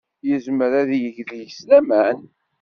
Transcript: Yezmer ad yeg deg-s laman.